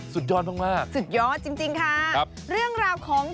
สุดยอดจริงค่ะ